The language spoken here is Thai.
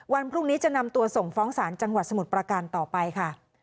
วันพรุ่งนี้จะนำตัวส่งฟ้องศาลจังหวัดสมุทรประการต่อไปค่ะ